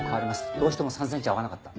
どうしても３センチ合わなかった。